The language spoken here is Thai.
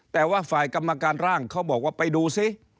แต่ว่าฝ่ายกรรมการร่างเขาบอกว่าไปดูซิ